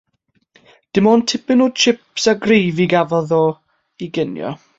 Dim ond tipyn i jips a grefi gafodd o i ginio.